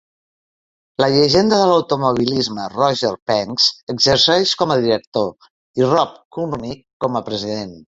La llegenda de l'automobilisme Roger Penske exerceix com a director i Rob Kurnick com a president.